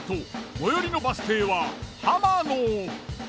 最寄りのバス停は浜野。